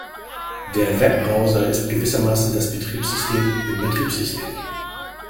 Der Webbrowser ist gewissermaßen das Betriebssystem im Betriebssystem.